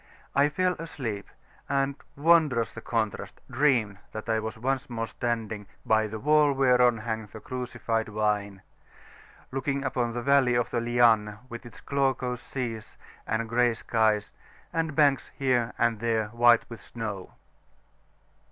I fell asleep, and wondrous the contrast! dreamed that I was once more standing "By the wall whereon hangeth the crucified vine," [p.413]looking upon the valley of the Lianne, with its glaucous seas and grey skies, and banks here and there white with snow.